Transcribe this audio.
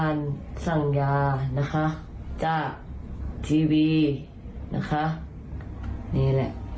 ไอ้ย้าเนี่ยไอ้ย้า